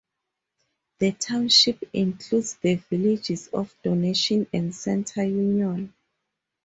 The township includes the villages of Donation and Center Union.